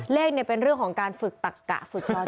เลขเนี่ยเป็นเรื่องของการฝึกตักกะฟึกโลโจิก